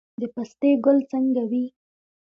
د پستې ګل څنګه وي؟